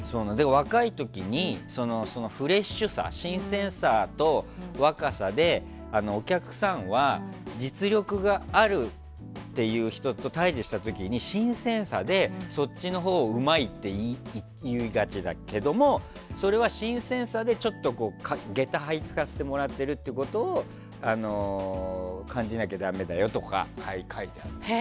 若い時にフレッシュさ、新鮮さと若さで、お客さんは実力があるっていう人と対峙した時に、新鮮さでそっちのほうがうまいって言いがちだけどそれは新鮮さでちょっと下駄を履かせてもらっているということを感じなきゃだめだよとか書いてあります。